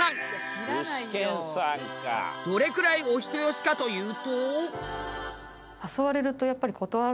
どれくらいお人好しかというと。